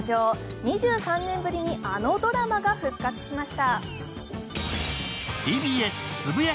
２３年ぶりにあのドラマが復活しました。